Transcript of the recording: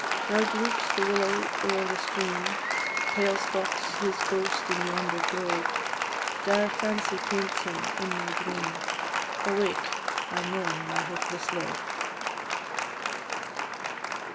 Now droops the willow o'er the stream; Pale stalks his ghost in yonder grove; Dire fancy paints him in my dream; Awake, I mourn my hopeless love.